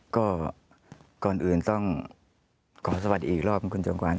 ก็ก่อนอื่นต้องขอสวัสดีอีกรอบคุณจอมขวั